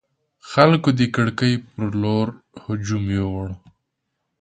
خلکو د کړکۍ پر لور هجوم وروړ.